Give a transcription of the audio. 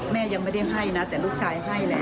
มันจะไม่ให้นะแต่ลูกชายให้เลย